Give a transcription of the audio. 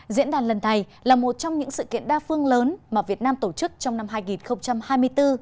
diễn đàn lần này là một trong những sự kiện đa phương lớn mà việt nam tổ chức trong năm hai nghìn hai mươi bốn